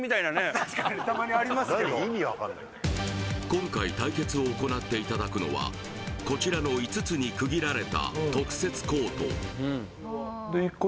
今回対決を行っていただくのはこちらの５つに区切られた特設コート